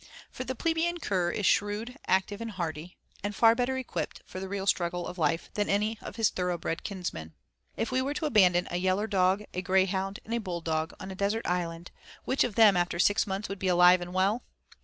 For the plebeian cur is shrewd, active, and hardy, and far better equipped for the real struggle of life than any of his 'thoroughbred' kinsmen. If we were to abandon a yaller dog, a greyhound, and a bulldog on a desert island, which of them after six months would be alive and well?